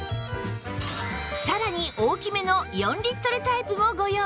さらに大きめの４リットルタイプもご用意